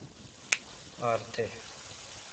ار تھ